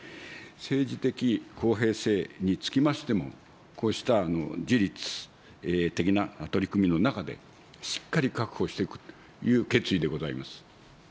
政治的公平性につきましても、こうした自律的な取り組みの中で、しっかり確保していくという決意でございます。